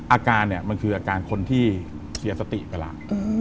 อาการเนี่ยมันคืออาการคนที่เสียสติไปแล้ว